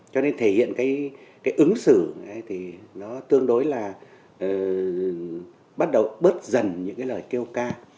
cho nên thể hiện cái ứng xử thì nó tương đối là bắt đầu bớt dần những cái lời kêu ca